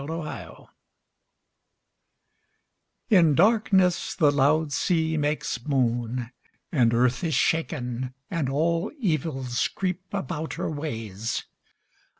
The Charm In darkness the loud sea makes moan; And earth is shaken, and all evils creep About her ways.